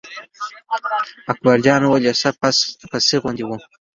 اکبر جان وویل: یو څه پس پسي غوندې و.